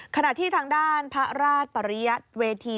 ขณะที่ทางด้านพระราชปริยัติเวที